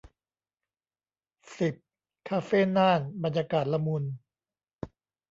สิบ คาเฟ่น่าน บรรยากาศละมุน